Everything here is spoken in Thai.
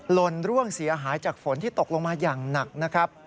ลนร่วงเสียหายจากฝนที่ตกลงมาอย่างหนักนะครับ